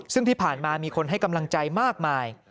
ซึ่งที่ผ่านมามีคนให้กำลังใจมากมาย